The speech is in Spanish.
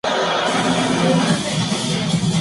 Monumento a la madre.